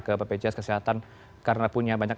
ke bpjs kesehatan karena punya banyak